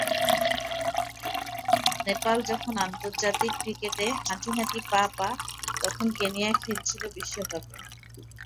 নেপাল যখন আন্তর্জাতিক ক্রিকেটে হাঁটি হাঁটি পা-পা, তখন কেনিয়া খেলেছিল বিশ্বকাপে।